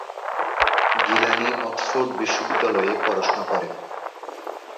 Gilani Oxford বিশ্ববিদ্যালয়ে পড়াশোনা করেন।